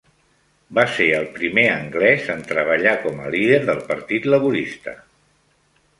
Va ser el primer anglès en treballar com a líder del Partit Laborista.